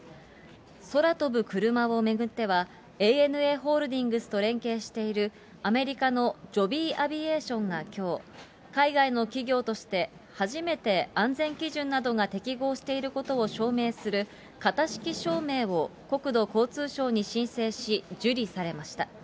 空飛ぶ車を巡っては、ＡＮＡホールディングスと連携しているアメリカのジョビー・アビエーションがきょう、海外の企業として初めて安全基準などが適合していることを証明する、型式証明を国土交通省に申請し、受理されました。